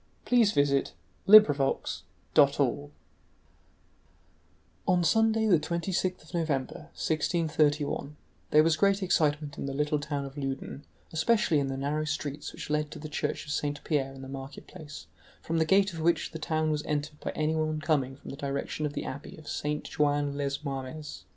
*URBAIN GRANDIER—1634* CHAPTER I On Sunday, the 26th of November, 1631, there was great excitement in the little town of Loudun, especially in the narrow streets which led to the church of Saint Pierre in the marketplace, from the gate of which the town was entered by anyone coming from the direction of the abbey of Saint Jouin les Marmes.